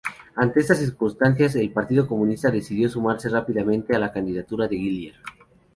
Ante estas circunstancias, el Partido Comunista decidió sumarse rápidamente a la candidatura de Guillier.